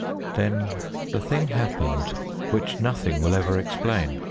Then the thing happened which nothing will ever explain.